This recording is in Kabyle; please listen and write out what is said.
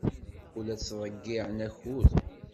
Ur la ttḍeyyiɛen akud.